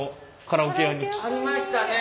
カラオケ屋さんにありましたね。